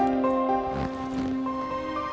bedanya pilih mobil